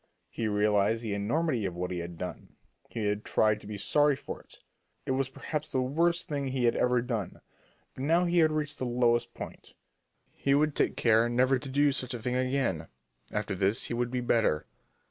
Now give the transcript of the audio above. He realized the enormity of what he had done. He had tried to be sorry for it. It was perhaps the worst thing he had ever done, but now he had reached the lowest point. He would take care never to do such a thing again. After this he would be better.